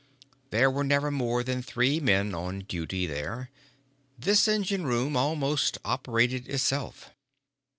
There were never more than three men on duty here. This engine room almost operated itself.